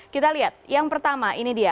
kita lihat yang pertama ini dia